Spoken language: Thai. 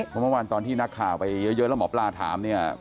เพราะเมื่อวานตอนที่นักข่าวไปเยอะแล้วหมอปลาถามเนี่ย